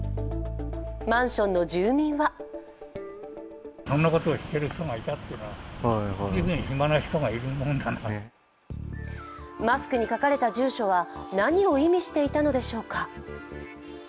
マンションの住民はマスクに書かれた住所は何を意味していたのでしょうか。